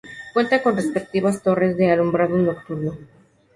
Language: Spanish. Cuenta con sus respectivas torres de alumbrado nocturno.